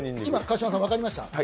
今、川島さん、分かりました？